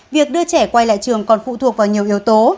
việc đưa trẻ quay lại trường còn phụ thuộc vào nhiều yếu tố